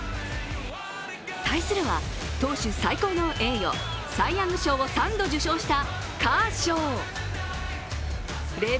対するは投手最高の栄誉、サイ・ヤング賞を３度受賞したカーショウ。